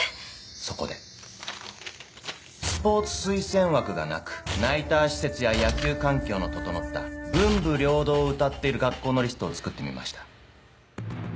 そこでスポーツ推薦枠がなくナイター施設や野球環境の整った文武両道をうたっている学校のリストを作ってみました。